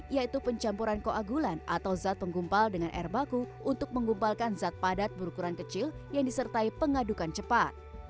yaitu pencampuran koagulan atau zat penggumpal dengan air baku untuk menggumpalkan zat padat berukuran kecil yang disertai pengadukan cepat